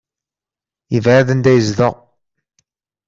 Yebɛed anda yezdeɣ.